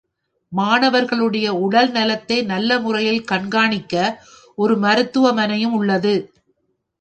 மாணவர்களுடைய உடல் நலத்தை நல்ல முறையில் கண்காணிக்க ஒரு மருத்துவ மனையும் உள்ளது.